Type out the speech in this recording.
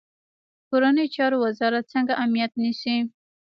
کورنیو چارو وزارت څنګه امنیت نیسي؟